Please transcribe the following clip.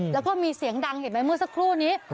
แล้วก็มีเสียงดังเห็นไหมเมื่อสักครู่นี้